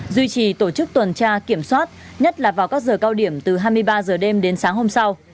duy trì tổ chức tuần tra kiểm soát nhất là vào các giờ cao điểm từ hai mươi ba h đêm đến sáng hôm sau